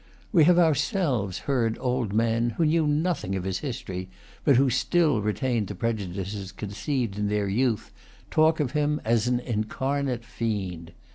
We have ourselves heard old men, who knew nothing of his history, but who still retained the prejudices conceived in their youth, talk of him as an incarnate fiend.